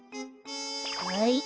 はい。